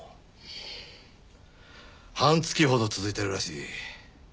半月ほど続いているらしい。